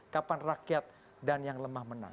kapan rakyat dan yang lemah menang